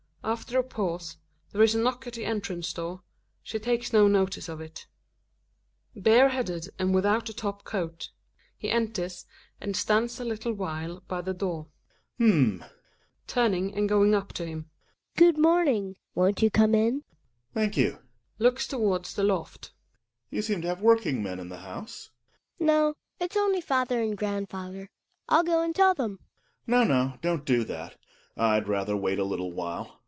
After a pause there is a knock at the entrance door; she takes no notice of it. \ Gregers {bareheaded and without a top coat ; he enters I and stands a little while by the door). H'm !/ Hedvig {turning and going up to him). Good morning. Won't you come in ? Gregers. Thank you {looks towards the loft). You seem to have workingmen in the house ? THE WILD DUCK. 65 Hedviq. No, it's only father and grandfather. I'll go and tell them. Gregers. No, no, don't do that, I'd rather wait a little while.